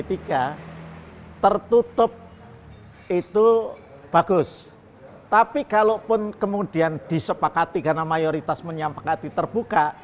tertutup itu bagus tapi kalaupun kemudian disepakati karena mayoritas menyempakati terbuka